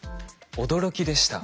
驚きでした。